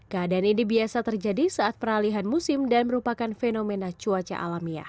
keadaan ini biasa terjadi saat peralihan musim dan merupakan fenomena cuaca alamiah